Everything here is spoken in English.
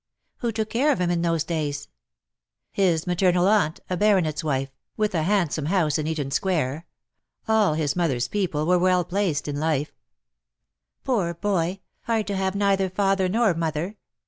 '^ AYho took care of him in those days V ^' His maternal aunt — a baronct^s wife, with a 10 THE DAYS THAT ARE NO MORE. handsome house in Eaton Square. All his mo therms people were well placed in life.^' ^' Poor boy ! hard to have neither father nor mother.